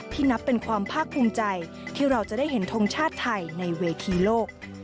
ที่เราจะได้เห็นทรงชาติไทยในเวทีโลก